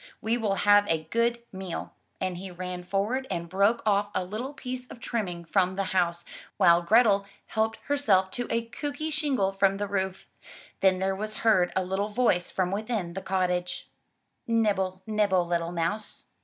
We will have a good meal!*' And he ran forward and broke off a little piece of trimming from the house, while Grethel helped herself to a cooky shingle from the roof. Then there was heard a little voice from within the cottage: "Nibble, nibble, little mouse.